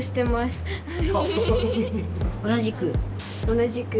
同じく。